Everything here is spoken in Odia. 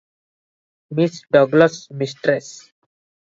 Miss Douglas mistress.